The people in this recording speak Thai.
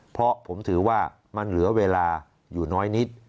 เพราะผมถือว่ามันเหลือเวลาอยู่น้อยนิด